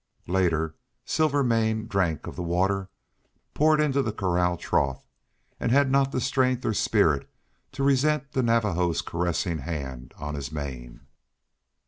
Later Silvermane drank of the water poured into the corral trough, and had not the strength or spirit to resent the Navajo's caressing hand on his mane.